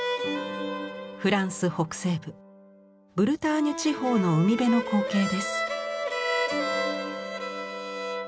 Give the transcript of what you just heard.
フランス北西部ブルターニュ地方の海辺の光景です。